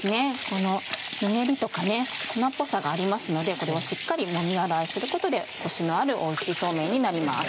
このぬめりとか粉っぽさがありますのでこれをしっかりもみ洗いすることでコシのあるおいしいそうめんになります。